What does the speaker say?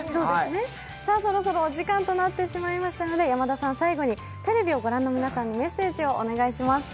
そろそろお時間となってしまいましたので山田さん、テレビをご覧の皆さんにメッセージをお願いします。